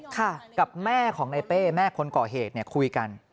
กับแม่ของในเป้แม่คนก่อเหตุเนี่ยคุยกัน